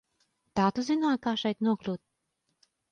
Tā tu zināji, kā šeit nokļūt?